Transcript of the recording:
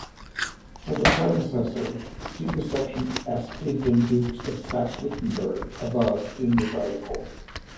For the predecessor see the section Ascanian Dukes of Saxe-Wittenberg above in this article.